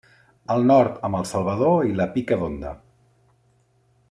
Al nord, amb el Salvador i la Pica, d'Onda.